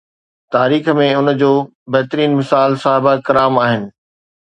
تاريخ ۾ ان جو بهترين مثال صحابه ڪرام آهن.